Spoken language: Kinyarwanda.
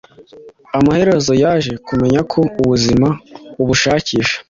Amaherezo yaje kumenya ko Ubuzima ubushakisha